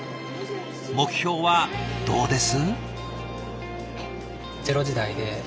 目標はどうです？